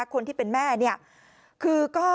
กลุ่มตัวเชียงใหม่